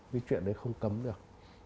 cái chuyện đấy không cấm được